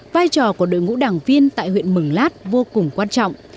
vai trò của đội ngũ đảng viên tại huyện mường lát vô cùng quan trọng